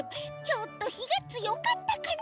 ちょっとひがつよかったかな？